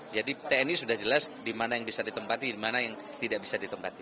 jadi tni sudah jelas di mana yang bisa ditempatkan di mana yang tidak bisa ditempatkan